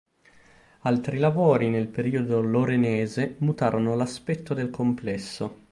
Altri lavori nel periodo lorenese mutarono l'aspetto del complesso.